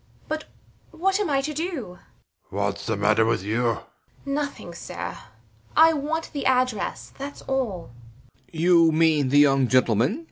But what am I to do? SIR PATRICK. Whats the matter with you? THE MAID. Nothing, sir. I want the address: thats all. B. B. You mean the young gentleman?